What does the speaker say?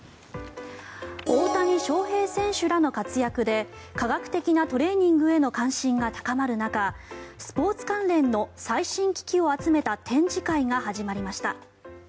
大谷翔平選手らの活躍で科学的なトレーニングへの関心が高まる中スポーツ関連の最新機器を集めた展示会が始まりました。